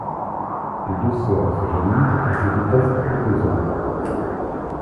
Les deux sœurs se jalousent et se détestent copieusement.